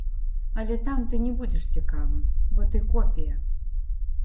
Але там ты не будзеш цікавым, бо ты копія.